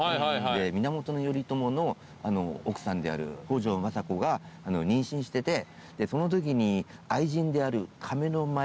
で源頼朝の奥さんである北条政子が妊娠しててそのときに愛人である亀の前。